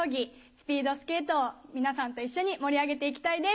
スピードスケートを皆さんと一緒に盛り上げて行きたいです。